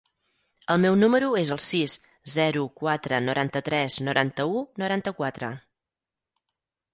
El meu número es el sis, zero, quatre, noranta-tres, noranta-u, noranta-quatre.